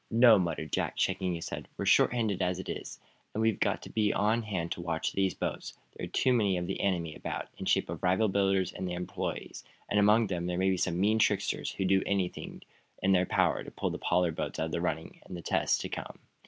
"No," muttered Jack, shaking his head. "We're short handed as it is, and we've got to be on hand to watch these boats. There are too many of the enemy about, in the shape of rival builders and their employees, and among them there may be some mean tricksters who'd do anything in their power to put the Pollard boats out of the running in the tests to come.